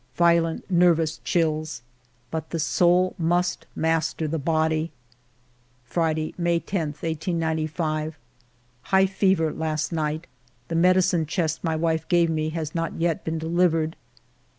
Violent nervous chills. But the soul must master the body. Friday^ May lo, 1895. High fever last night. The medicine chest my wife gave me has not yet been delivered.